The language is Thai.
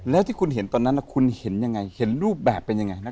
แล้วที่คุณเห็นตอนนั้นคุณเห็นรูปแบบเป็นยังไง